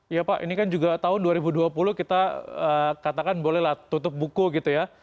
iya pak ini kan juga tahun dua ribu dua puluh kita katakan bolehlah tutup buku gitu ya